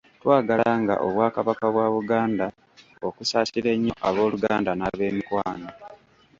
Twagala nga Obwakabaka bwa Buganda okusaasira ennyo abooluganda nab’emikwano.